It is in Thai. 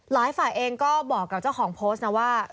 หลายฝ่ายเองก็บอกกับเจ้าของโพสต์นะว่า